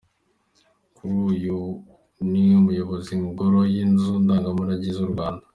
Kuri ubu ni umuyobozi mu Ngoro y’inzu ndangamurage z’u Rwanda.